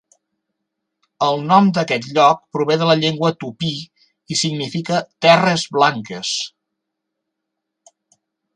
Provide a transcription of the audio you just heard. El nom d'aquest lloc prové de la llengua tupí i significa "Terres blanques"